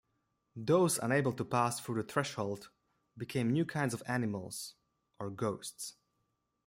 Those unable to pass through the threshold became new kinds of animals or ghosts.